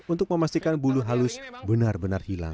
untuk memastikan bulu halus benar benar hilang